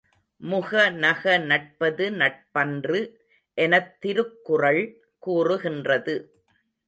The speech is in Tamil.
முகநக நட்பது நட்பன்று எனத் திருக்குறள் கூறுகின்றது.